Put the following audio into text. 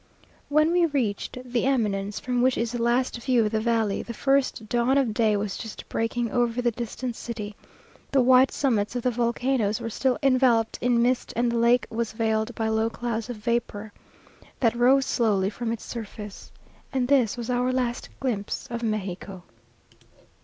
When we reached the eminence, from which is the last view of the valley, the first dawn of day was just breaking over the distant city; the white summits of the volcanoes were still enveloped in mist, and the lake was veiled by low clouds of vapour, that rose slowly from its surface. And this was our last glimpse of Mexico!